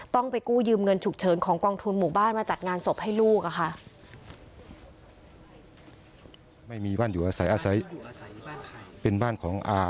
ต้องไปกู้ยืมเงินฉุกเฉินของกองทุนหมู่บ้านมาจัดงานศพให้ลูกอะค่ะ